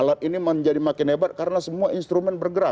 alat ini menjadi makin hebat karena semua instrumen bergerak